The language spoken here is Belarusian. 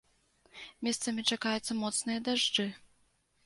Месцамі чакаюцца моцныя дажджы.